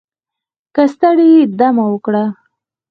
که ستړی یې دمه وکړه